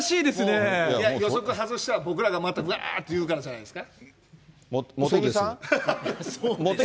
予測外したら、僕らがまたうわーって言うからじゃないですか？